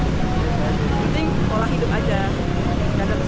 mending pola hidup aja